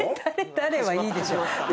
誰？はいいでしょ。